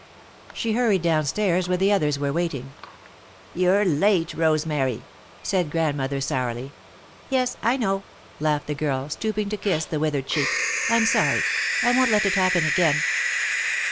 She hurried down stairs, where the others were waiting. "You're late, Rosemary," said Grandmother, sourly. "Yes, I know," laughed the girl, stooping to kiss the withered cheek. "I'm sorry! I won't let it happen again!"